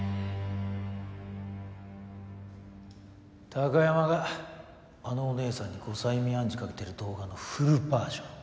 貴山があのおねえさんに後催眠暗示かけてる動画のフルバージョン。